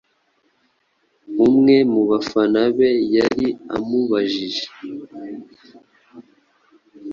umwe mu bafana be yari amubajije